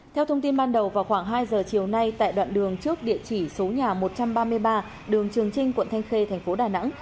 theo thông tin ban đầu vào khoảng hai giờ chiều nay tại đoạn đường trước địa chỉ số nhà một trăm ba mươi ba đường trường trinh quận thanh khê thành phố đà nẵng